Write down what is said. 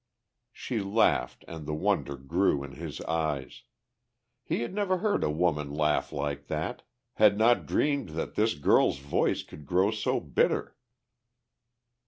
She laughed and the wonder grew in his eyes. He had never heard a woman laugh like that, had not dreamed that this girl's voice could grow so bitter.